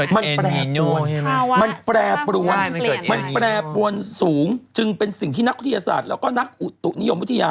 มันเปลี่ยนอะมันแปรปรวนสูงจึงเป็นสิ่งที่นักปฏิโศษและนักนิยมวัทยา